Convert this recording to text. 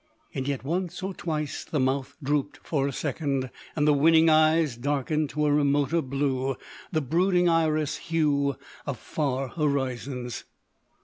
Yet once or twice the mouth drooped for a second and the winning eyes darkened to a remoter blue—the brooding iris hue of far horizons.